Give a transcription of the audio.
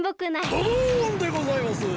ドドンでございます。